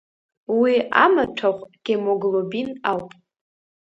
Уи амаҭәахә Гемоглобин ауп.